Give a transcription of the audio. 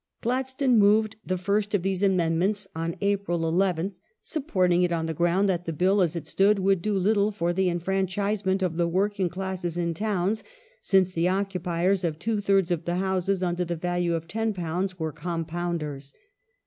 Gladstone moved the first of these amendments on April 11th, supporting it on the ground that the Bill as it stood would do little for the en franchisem^it of the working classes in towns, since the occupiers of two thirds of the houses under the value of £10 were com pounders.